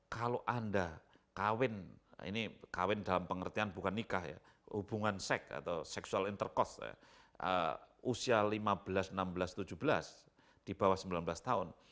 kalau anda kawin ini kawin dalam pengertian bukan nikah ya hubungan seks atau seksual intercost usia lima belas enam belas tujuh belas di bawah sembilan belas tahun